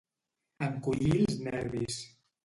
Encollir els nervis.